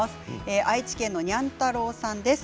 愛知県の方です。